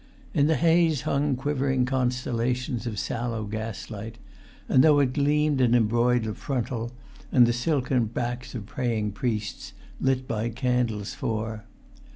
In the haze hung quivering constellations of sallow gaslight, and through it gleamed an embroidered frontal, and the silken backs of praying priests, lit by candles four.